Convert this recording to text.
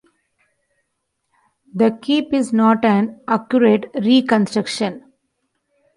The keep is not an accurate reconstruction.